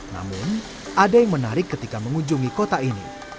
namun ada yang menarik ketika mengunjungi kota ini